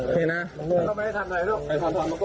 เขาไม่ได้ทำร้ายนี้